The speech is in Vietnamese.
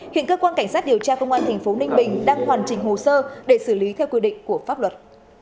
hiện cơ quan cảnh sát điều tra công an tp ninh bình đang hoàn chỉnh hồ sơ để xử lý theo quy định của pháp luật